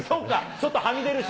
ちょっとはみ出るし。